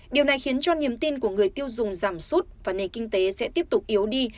điều này khiến cho niềm tin của người tiêu dùng giảm sút và nền kinh tế sẽ tiếp tục yếu đi